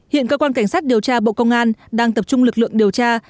hiện cơ quan cảnh sát điều tra bộ công an đang tập trung lực lượng điều tra